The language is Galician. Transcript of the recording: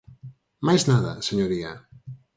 Máis nada, señoría.